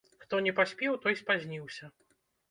Хто не паспеў, той спазніўся.